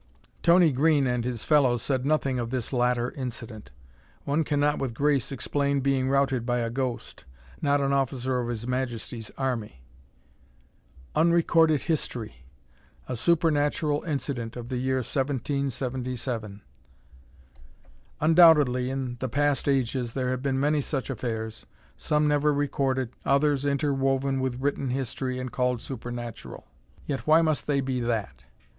Tony Green and his fellows said nothing of this latter incident. One cannot with grace explain being routed by a ghost. Not an officer of His Majesty's army! Unrecorded history! A supernatural incident of the year 1777! Undoubtedly in the past ages there have been many such affairs: some never recorded, others interwoven in written history and called supernatural. Yet why must they be that?